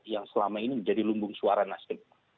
yang selama ini menjadi lumbung suara nasdem